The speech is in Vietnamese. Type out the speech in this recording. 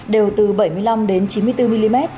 đều từ bảy mươi năm đến chín mươi bốn mm